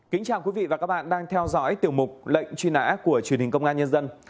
kính chào quý vị và các bạn đang theo dõi tiểu mục lệnh truy nã của truyền hình công an nhân dân